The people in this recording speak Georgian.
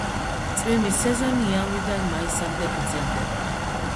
წვიმის სეზონი იანვრიდან მაისამდე გრძელდება.